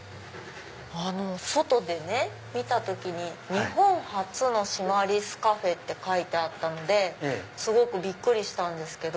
外で見た時に日本初のシマリスカフェって書いてあったのですごくびっくりしたんですけど。